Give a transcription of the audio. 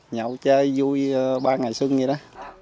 nhậu chơi vui ba ngày xuân vậy đó